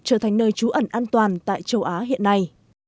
trở thành nơi trú ẩn an toàn tại châu á hiện nay